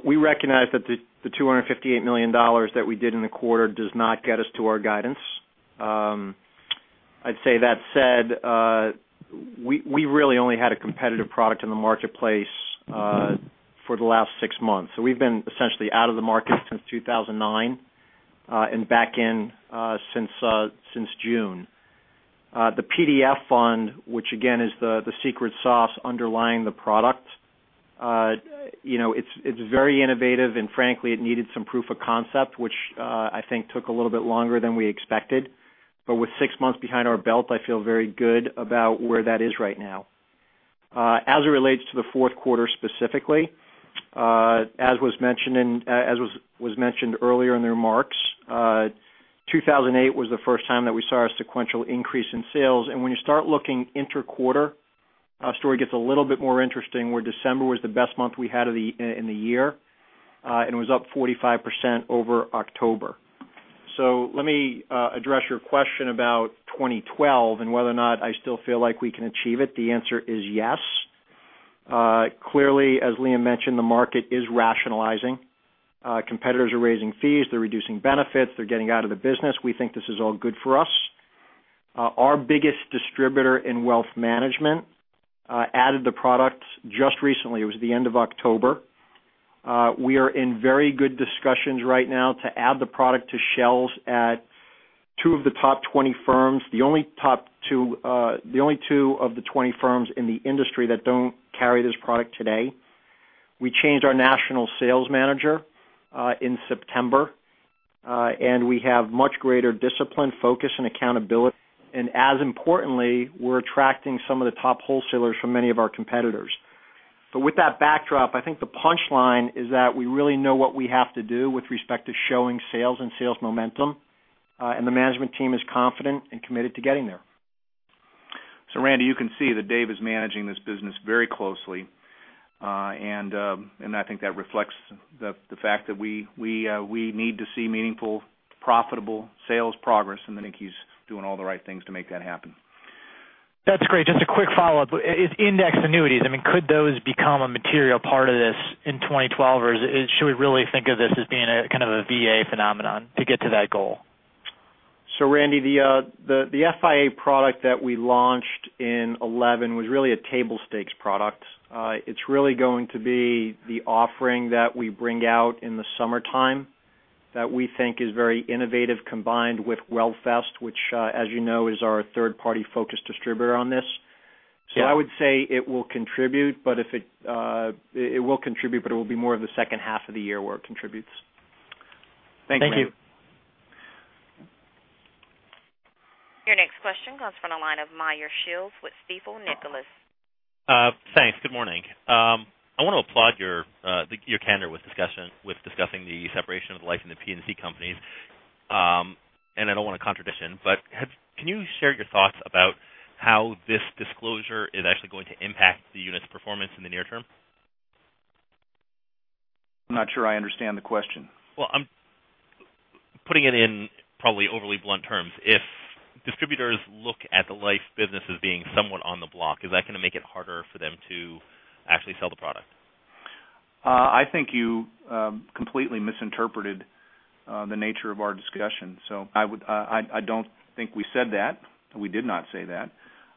We recognize that the $258 million that we did in the quarter does not get us to our guidance. I'd say that said, we really only had a competitive product in the marketplace for the last six months. We've been essentially out of the market since 2009, and back in since June. The PDF Fund, which again is the secret sauce underlying the product, it's very innovative, and frankly, it needed some proof of concept, which I think took a little bit longer than we expected. With six months behind our belt, I feel very good about where that is right now. As it relates to the fourth quarter specifically, as was mentioned earlier in the remarks, 2008 was the first time that we saw a sequential increase in sales. When you start looking inter-quarter, our story gets a little bit more interesting, where December was the best month we had in the year, and it was up 45% over October. Let me address your question about 2012 and whether or not I still feel like we can achieve it. The answer is yes. Clearly, as Liam McGee mentioned, the market is rationalizing. Competitors are raising fees. They're reducing benefits. They're getting out of the business. We think this is all good for us. Our biggest distributor in wealth management added the product just recently. It was the end of October. We are in very good discussions right now to add the product to shelves at two of the top 20 firms, the only two of the 20 firms in the industry that don't carry this product today. We changed our national sales manager in September, we have much greater discipline, focus, and accountability. As importantly, we're attracting some of the top wholesalers from many of our competitors. With that backdrop, I think the punchline is that we really know what we have to do with respect to showing sales and sales momentum. The management team is confident and committed to getting there. Randy, you can see that Dave is managing this business very closely. I think that reflects the fact that we need to see meaningful, profitable sales progress, and I think he's doing all the right things to make that happen. That's great. Just a quick follow-up. With indexed annuities, could those become a material part of this in 2012, or should we really think of this as being a kind of a VA phenomenon to get to that goal? Randy, the FIA product that we launched in 2011 was really a table stakes product. It's really going to be the offering that we bring out in the summertime that we think is very innovative, combined with WealthVest, which as you know, is our third-party focused distributor on this. Yeah. I would say it will contribute, but it will be more of the second half of the year where it contributes. Thank you. Thanks, Randy. Your next question comes from the line of Meyer Shields with Stifel Nicolaus. Thanks. Good morning. I want to applaud your candor with discussing the separation of the life and the P&C companies. I don't want a contradiction, can you share your thoughts about how this disclosure is actually going to impact the unit's performance in the near term? I'm not sure I understand the question. Well, I'm putting it in probably overly blunt terms. If distributors look at the life business as being somewhat on the block, is that going to make it harder for them to actually sell the product? I think you completely misinterpreted the nature of our discussion. I don't think we said that. We did not say that.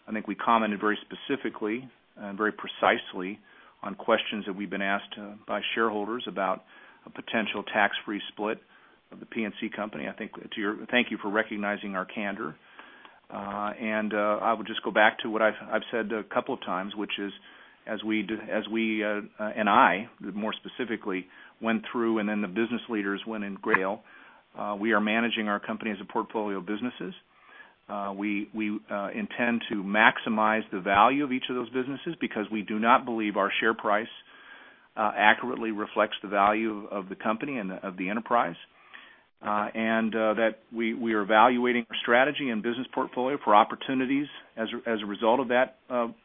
I think we commented very specifically and very precisely on questions that we've been asked by shareholders about a potential tax-free split of the P&C company. Thank you for recognizing our candor. I would just go back to what I've said a couple of times, which is as we, and I, more specifically, went through, and then the business leaders went in great detail, we are managing our company as a portfolio of businesses. We intend to maximize the value of each of those businesses because we do not believe our share price accurately reflects the value of the company and of the enterprise. That we are evaluating our strategy and business portfolio for opportunities as a result of that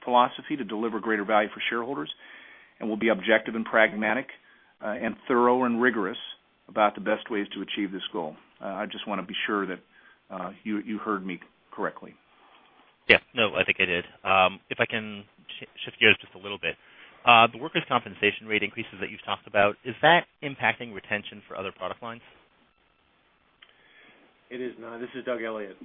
philosophy to deliver greater value for shareholders. We'll be objective and pragmatic and thorough and rigorous about the best ways to achieve this goal. I just want to be sure that you heard me correctly. Yeah. No, I think I did. If I can shift gears just a little bit. The workers' compensation rate increases that you've talked about, is that impacting retention for other product lines? It is not. This is Doug Elliot.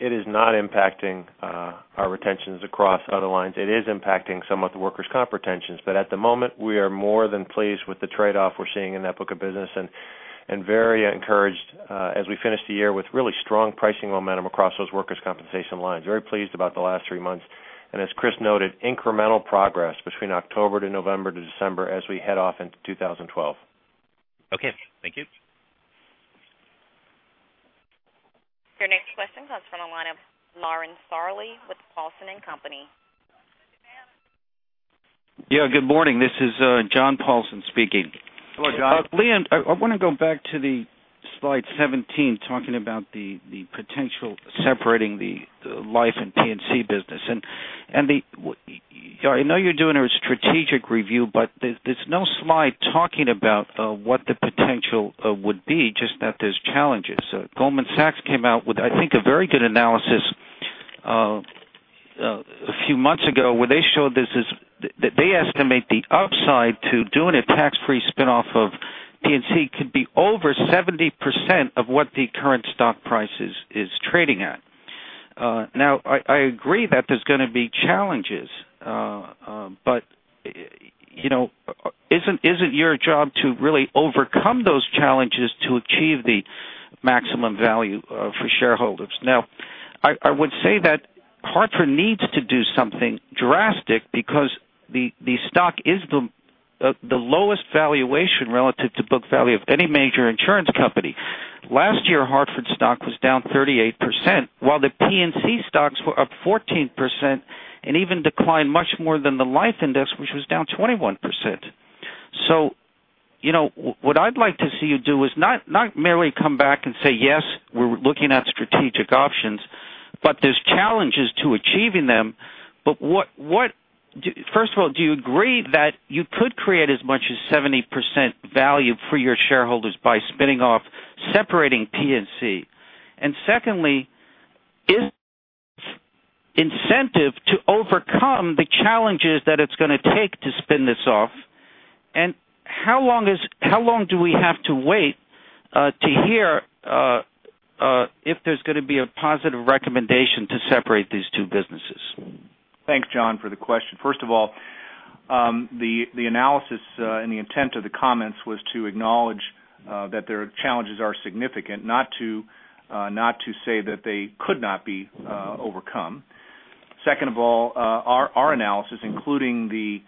It is not impacting our retentions across other lines. It is impacting some of the workers' comp retentions. At the moment, we are more than pleased with the trade-off we're seeing in that book of business and very encouraged as we finish the year with really strong pricing momentum across those workers' compensation lines. Very pleased about the last three months. As Chris noted, incremental progress between October to November to December as we head off into 2012. Okay. Thank you. Your next question comes from the line of Lauren Sarley with Paulson & Co.. Yeah, good morning. This is John Paulson speaking. Hello, John. Liam, I want to go back to the slide 17, talking about the potential separating the life and P&C business. I know you're doing a strategic review, but there's no slide talking about what the potential would be, just that there's challenges. Goldman Sachs came out with, I think, a very good analysis a few months ago where they showed that they estimate the upside to doing a tax-free spin-off of P&C could be over 70% of what the current stock price is trading at. I agree that there's going to be challenges. Isn't your job to really overcome those challenges to achieve the maximum value for shareholders? I would say that Hartford needs to do something drastic because the stock is the lowest valuation relative to book value of any major insurance company. Last year, Hartford stock was down 38%, while the P&C stocks were up 14% and even declined much more than the life index, which was down 21%. What I'd like to see you do is not merely come back and say, "Yes, we're looking at strategic options," but there's challenges to achieving them. First of all, do you agree that you could create as much as 70% value for your shareholders by spinning off separating P&C? Secondly, is incentive to overcome the challenges that it's going to take to spin this off? How long do we have to wait to hear if there's going to be a positive recommendation to separate these two businesses? Thanks, John, for the question. First of all, the analysis and the intent of the comments was to acknowledge that their challenges are significant, not to say that they could not be overcome. Second of all, our analysis, including the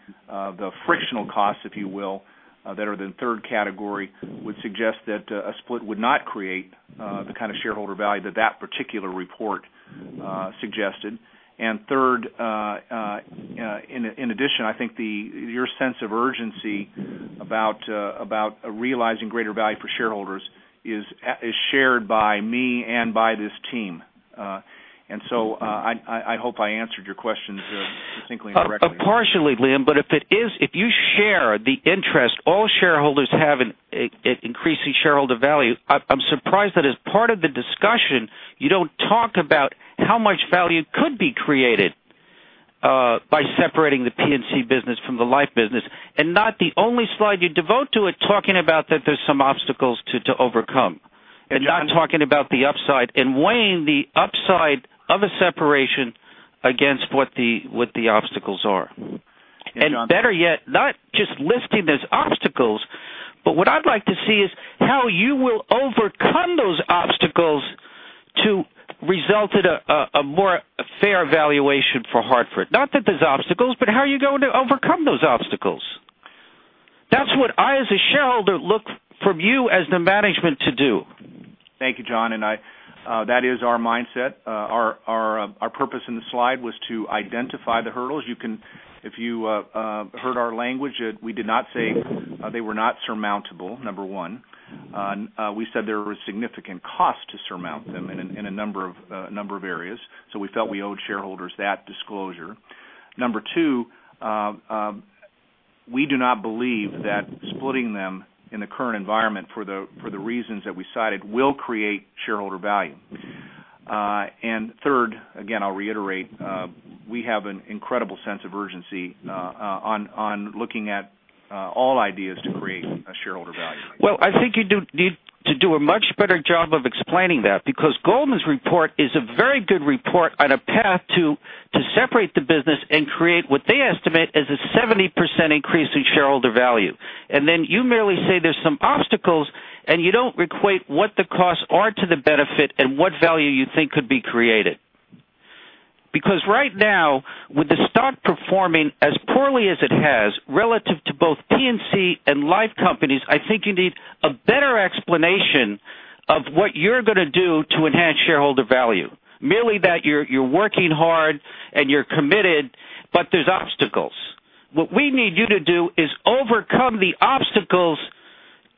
frictional costs, if you will, that are the third category, would suggest that a split would not create the kind of shareholder value that particular report suggested. Third, in addition, I think your sense of urgency about realizing greater value for shareholders is shared by me and by this team. I hope I answered your questions succinctly and directly. Partially, Liam. If you share the interest all shareholders have in increasing shareholder value, I'm surprised that as part of the discussion, you don't talk about how much value could be created by separating the P&C business from the life business. Not the only slide you devote to it talking about that there's some obstacles to overcome. Yeah. Not talking about the upside and weighing the upside of a separation against what the obstacles are. Yeah, John. Better yet, not just listing those obstacles, but what I'd like to see is how you will overcome those obstacles to result in a more fair valuation for The Hartford. Not that there's obstacles, but how are you going to overcome those obstacles? That's what I, as a shareholder, look from you as the management to do. Thank you, John, that is our mindset. Our purpose in the slide was to identify the hurdles. If you heard our language, we did not say they were not surmountable, number one. We said there were significant costs to surmount them in a number of areas. We felt we owed shareholders that disclosure. Number two, we do not believe that splitting them in the current environment for the reasons that we cited will create shareholder value. Third, again, I'll reiterate we have an incredible sense of urgency on looking at all ideas to create shareholder value. Well, I think you need to do a much better job of explaining that because Goldman Sachs' report is a very good report on a path to separate the business and create what they estimate as a 70% increase in shareholder value. Then you merely say there's some obstacles, and you don't equate what the costs are to the benefit and what value you think could be created. Right now, with the stock performing as poorly as it has relative to both P&C and life companies, I think you need a better explanation of what you're going to do to enhance shareholder value. Merely that you're working hard and you're committed, but there's obstacles. What we need you to do is overcome the obstacles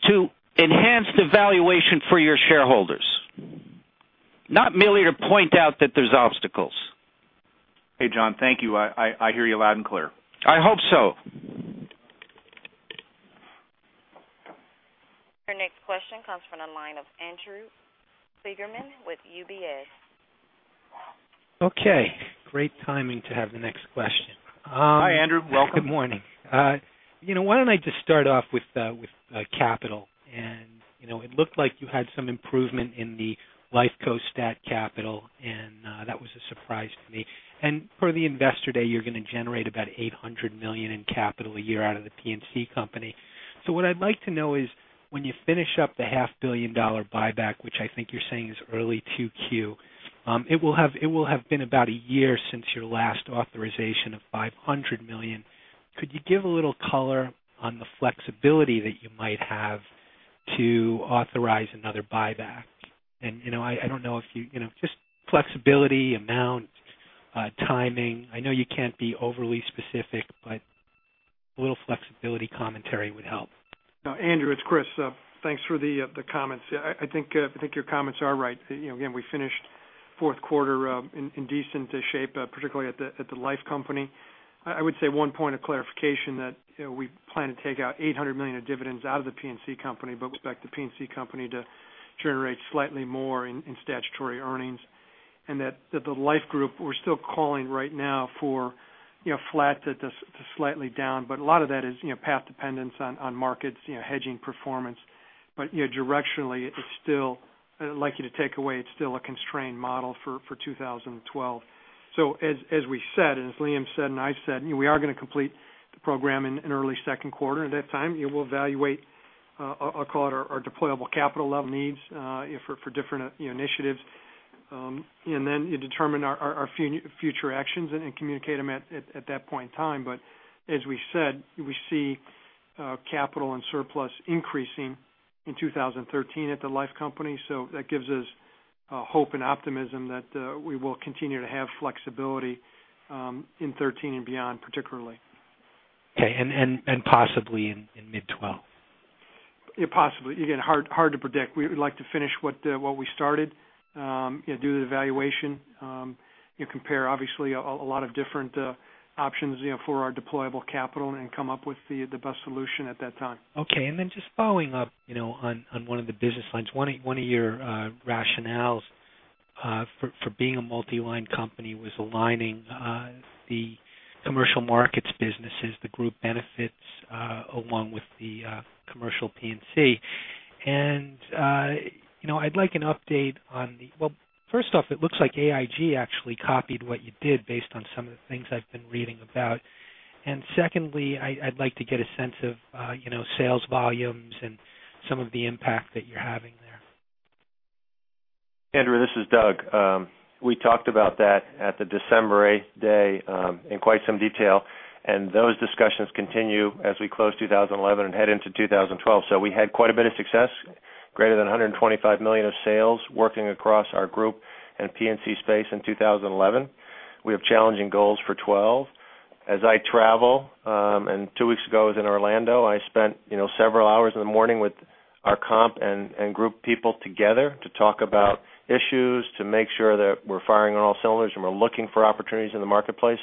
to enhance the valuation for your shareholders, not merely to point out that there's obstacles. Hey, John. Thank you. I hear you loud and clear. I hope so. Your next question comes from the line of Andrew Kligerman with UBS. Okay, great timing to have the next question. Hi, Andrew. Welcome. Good morning. It looked like you had some improvement in the life CO stat capital, and that was a surprise to me. For the investor day, you're going to generate about $800 million in capital a year out of the P&C company. What I'd like to know is, when you finish up the half billion dollar buyback, which I think you're saying is early 2Q, it will have been about a year since your last authorization of $500 million. Could you give a little color on the flexibility that you might have to authorize another buyback? I don't know, just flexibility, amount, timing. I know you can't be overly specific, but a little flexibility commentary would help. Andrew, it's Chris. Thanks for the comments. I think your comments are right. Again, we finished fourth quarter in decent shape, particularly at the life company. I would say one point of clarification that we plan to take out $800 million of dividends out of the P&C company, but we expect the P&C company to generate slightly more in statutory earnings and that the life group we're still calling right now for flat to slightly down. A lot of that is path dependence on markets, hedging performance. Directionally, I'd like you to take away it's still a constrained model for 2012. As we said, and as Liam said and I said, we are going to complete the program in early second quarter. At that time, we'll evaluate, I'll call it our deployable capital level needs for different initiatives. Determine our future actions and communicate them at that point in time. As we said, we see capital and surplus increasing in 2013 at the life company. That gives us hope and optimism that we will continue to have flexibility in 2013 and beyond particularly. Okay. Possibly in mid 2012. Possibly. Again, hard to predict. We would like to finish what we started, do the evaluation, compare obviously a lot of different options for our deployable capital and come up with the best solution at that time. Okay. Just following up on one of the business lines. One of your rationales for being a multi-line company was aligning the Commercial Markets businesses, the Group Benefits, along with the commercial P&C. I'd like an update on the-- well, first off, it looks like AIG actually copied what you did based on some of the things I've been reading about. Secondly, I'd like to get a sense of sales volumes and some of the impact that you're having there. Andrew, this is Doug. We talked about that at the December 8th day in quite some detail, those discussions continue as we close 2011 and head into 2012. We had quite a bit of success, greater than $125 million of sales working across our Group and P&C space in 2011. We have challenging goals for 2012. As I travel, two weeks ago I was in Orlando, I spent several hours in the morning with our comp and Group people together to talk about issues, to make sure that we're firing on all cylinders and we're looking for opportunities in the marketplace.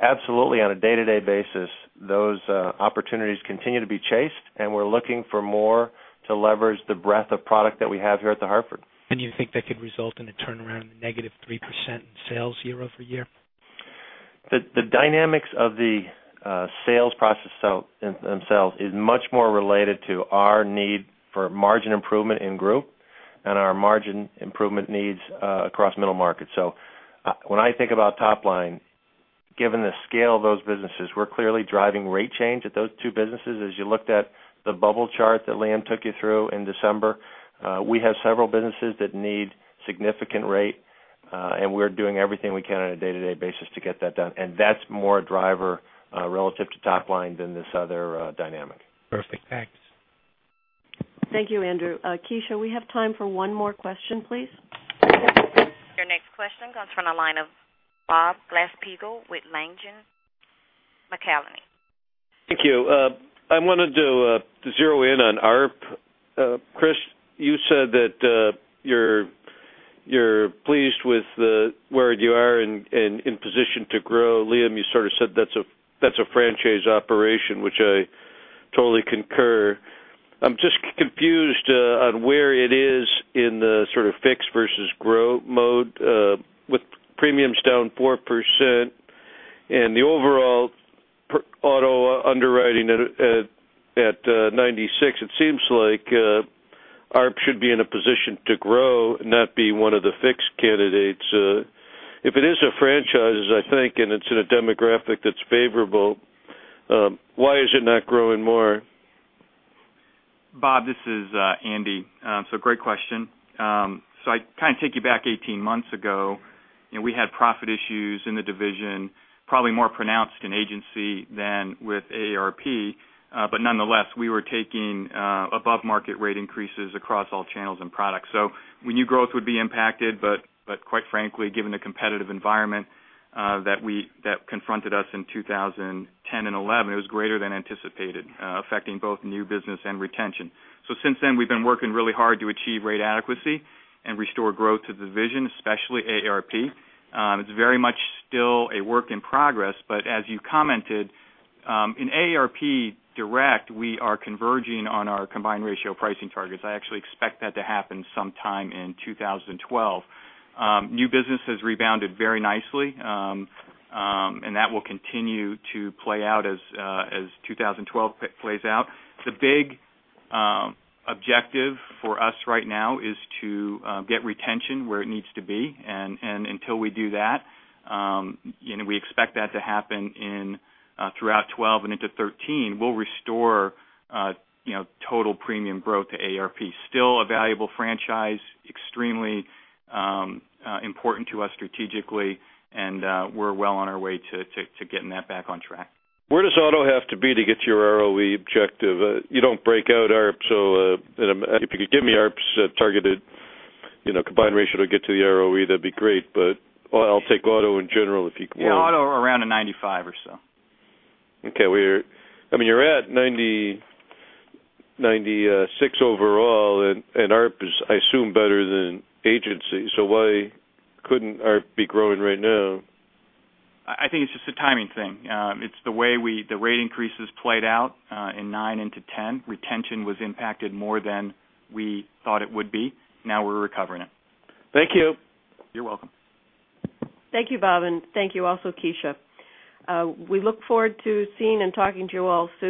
Absolutely, on a day-to-day basis, those opportunities continue to be chased, and we're looking for more to leverage the breadth of product that we have here at The Hartford. You think that could result in a turnaround in -3% in sales year-over-year? The dynamics of the sales process themselves is much more related to our need for margin improvement in group and our margin improvement needs across middle markets. When I think about top line, given the scale of those businesses, we're clearly driving rate change at those two businesses. As you looked at the bubble chart that Liam took you through in December, we have several businesses that need significant rate. We're doing everything we can on a day-to-day basis to get that done. That's more a driver relative to top line than this other dynamic. Perfect. Thanks. Thank you, Andrew. Keisha, we have time for one more question, please. Your next question comes from the line of Bob Glasspiegel with Langen McAlenney. Thank you. I wanted to zero in on AARP. Chris, you said that you're pleased with where you are and in position to grow. Liam, you sort of said that's a franchise operation, which I totally concur. I'm just confused on where it is in the sort of fix versus grow mode. With premiums down 4% and the overall at 96%, it seems like AARP should be in a position to grow, not be one of the fixed candidates. If it is a franchise, as I think, and it's in a demographic that's favorable, why is it not growing more? Bob, this is Andy. Great question. I take you back 18 months ago, we had profit issues in the division, probably more pronounced in agency than with AARP. Nonetheless, we were taking above-market rate increases across all channels and products. We knew growth would be impacted, but quite frankly, given the competitive environment that confronted us in 2010 and 2011, it was greater than anticipated, affecting both new business and retention. Since then, we've been working really hard to achieve rate adequacy and restore growth to the division, especially AARP. It's very much still a work in progress, but as you commented, in AARP Direct, we are converging on our combined ratio pricing targets. I actually expect that to happen sometime in 2012. New business has rebounded very nicely, and that will continue to play out as 2012 plays out. The big objective for us right now is to get retention where it needs to be. Until we do that, we expect that to happen throughout 2012 and into 2013, we'll restore total premium growth to AARP. Still a valuable franchise, extremely important to us strategically, and we're well on our way to getting that back on track. Where does auto have to be to get to your ROE objective? You don't break out AARP, so if you could give me AARP's targeted combined ratio to get to the ROE, that'd be great. I'll take auto in general if you can- Auto around a 95 or so. Okay. You're at 96 overall. AARP is, I assume, better than agency. Why couldn't AARP be growing right now? I think it's just a timing thing. It's the way the rate increases played out in 2009 into 2010. Retention was impacted more than we thought it would be. We're recovering it. Thank you. You're welcome. Thank you, Bob, and thank you also, Keisha. We look forward to seeing and talking to you all soon.